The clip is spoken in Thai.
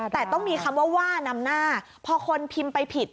แต่ต้องมีคำว่าว่านำหน้าพอคนพิมพ์ไปผิด